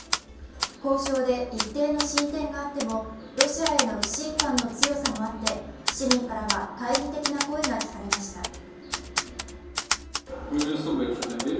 交渉で一定の進展があってもロシアへの不信感の強さもあって市民からは懐疑的な声が聞かれました。